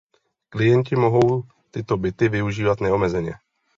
Klienti mohou tyto byty využívat neomezeně.